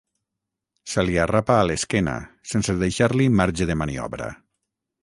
Se li arrapa a l'esquena, sense deixar-li marge de maniobra.